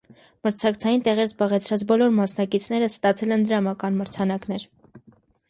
Մրցանակային տեղեր զբաղեցրած բոլոր մասնակիցները ստացել են դրամական մրցանակներ։